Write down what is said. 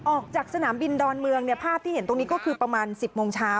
ออกจากสนามบินดอนเมืองเนี่ยภาพที่เห็นตรงนี้ก็คือประมาณ๑๐โมงเช้า